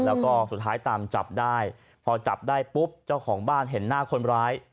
แล้วก็สุดท้ายตามจับได้พอจับได้ปุ๊บเจ้าของบ้านเห็นหน้าคนร้าย